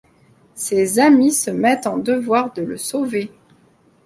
Ses amis se mettent en devoir de le sauver.